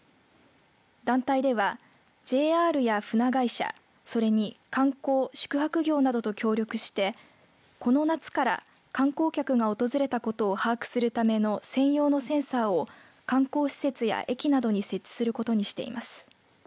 団体では、ＪＲや船会社それに観光・宿泊業などと協力してこの夏から観光客が訪れたことを把握するための専用のセンサーを観光施設や駅などに設置することにしています。